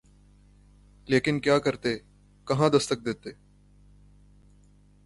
لیکن کیا کرتے، کہاں دستک دیتے؟